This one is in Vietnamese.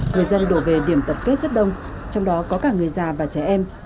người dân đổ về điểm tập kết rất đông trong đó có cả người già và trẻ em